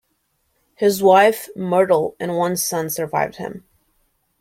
His wife, Myrtle, and one son survived him.